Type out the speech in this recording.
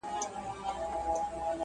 د پاچا يې د جامو كړل صفتونه،